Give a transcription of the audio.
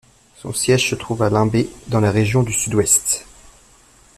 Son siège se trouve à Limbé, dans la région du Sud-Ouest.